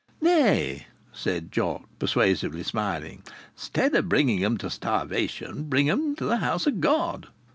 "Nay!" said Jock, persuasively smiling. "'Stead o' bringing 'em to starvation, bring 'em to the House o' God!